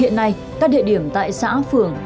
hiện nay các địa điểm tại xã phường